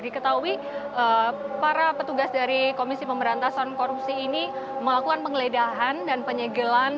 diketahui para petugas dari komisi pemberantasan korupsi ini melakukan penggeledahan dan penyegelan